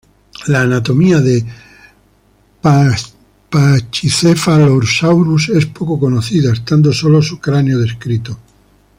La anatomía de "Pachycephalosaurus" es poco conocida, estando solo su cráneo descrito.